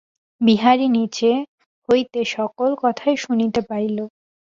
বিহারী নীচে হইতে সকল কথাই শুনিতে পাইল।